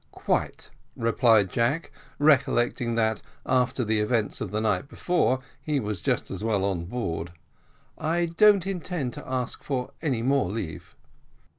"Quite," replied Jack, recollecting that after the events of the night before he was just as well on board; "I don't intend to ask for any more leave."